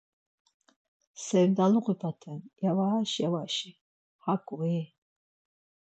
Sevdaluği p̌aten yavaş yavaşi… Haǩui?